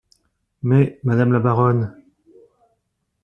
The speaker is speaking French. Mais, madame la baronne…